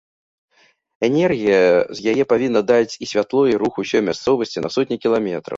Энергія з яе павінна даць і святло і рух усёй мясцовасці на сотні кіламетраў.